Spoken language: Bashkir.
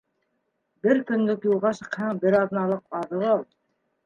Бер көнлөк юлға сыҡһаң, бер аҙналыҡ аҙыҡ ал.